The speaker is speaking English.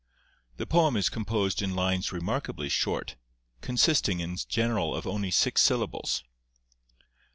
The poem is composed in lines remarkably short, consisting in general of only six syllables.